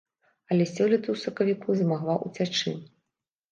Але сёлета ў сакавіку змагла ўцячы.